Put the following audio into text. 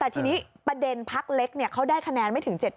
แต่ทีนี้ประเด็นพักเล็กเขาได้คะแนนไม่ถึง๗๘